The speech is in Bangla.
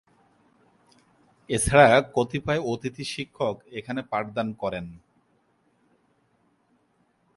এছাড়া কতিপয় অতিথি শিক্ষক এখানে পাঠদান করেন।